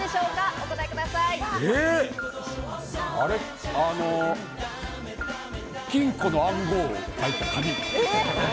お答金庫の暗号を書いた紙。